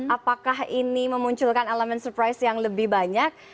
apakah ini memunculkan elemen surprise yang lebih banyak